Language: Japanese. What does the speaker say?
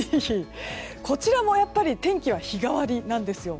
こちらもやっぱり天気は日替わりなんですよ。